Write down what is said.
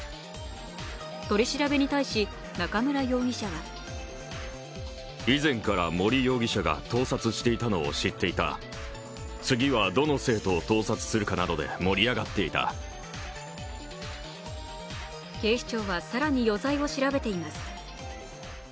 取り調べに対し中村容疑者は警視庁は更に余罪を調べています。